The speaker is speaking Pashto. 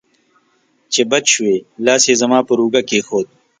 چې بچ شوې، لاس یې زما پر اوږه کېښود.